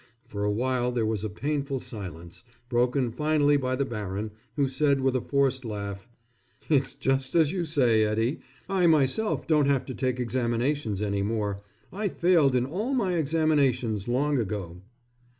For a while there was a painful silence, broken finally by the baron, who said with a forced laugh: "It's just as you say, Eddie. I myself don't have to take examinations any more. I failed in all my examinations long ago."